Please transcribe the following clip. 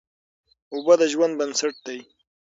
اوبه د ژوند بنسټ دی.